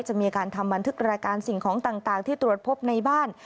จะมีการทำบันทึกรายการสิ่งของต่างที่ตรวจพบในบ้าน